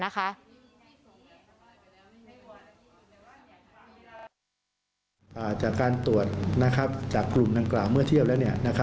จากการตรวจจากกลุ่มดังกล่าวเมื่อเที่ยวแล้ว